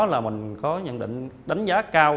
là mình có nhận định đánh giá cao